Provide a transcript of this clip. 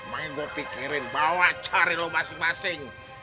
makanya gua pikirin bawa cari lu masing masing